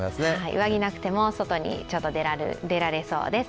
上着なくても外にちょうど出られそうです。